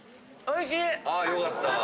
あよかった。